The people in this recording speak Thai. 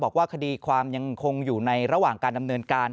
บอกว่าคดีความยังคงอยู่ในระหว่างการดำเนินการ